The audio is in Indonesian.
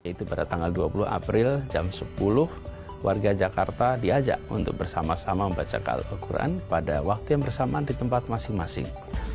yaitu pada tanggal dua puluh april jam sepuluh warga jakarta diajak untuk bersama sama membaca al quran pada waktu yang bersamaan di tempat masing masing